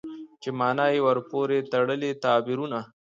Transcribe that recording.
چې مانا يې ورپورې تړلي تعبيرونه